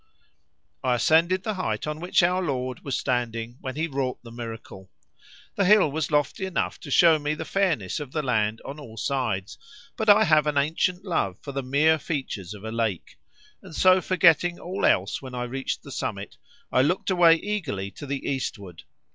I ascended the height on which our Lord was standing when He wrought the miracle. The hill was lofty enough to show me the fairness of the land on all sides, but I have an ancient love for the mere features of a lake, and so forgetting all else when I reached the summit, I looked away eagerly to the eastward.